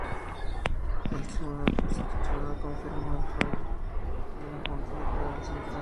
El Tribunal Constitucional confirmó el fallo de la Junta Electoral Central.